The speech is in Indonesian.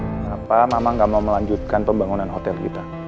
kenapa mama gak mau melanjutkan pembangunan hotel kita